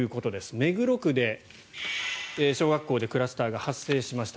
目黒区の小学校でクラスターが発生しました。